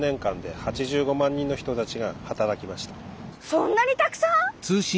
そんなにたくさん？